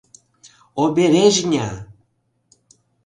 — Обережня!